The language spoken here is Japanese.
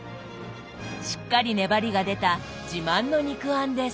しっかり粘りが出た自慢の肉餡です。